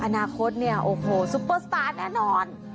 อนาคตเนี่ยโอ้โหซุปเปอร์สตาร์ทแน่นอน